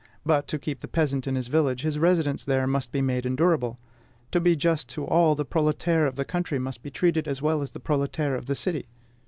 But, to keep the peasant in his village, his residence there must be made endurable: to be just to all, the proletaire of the country must be treated as well as the proletaire of the city.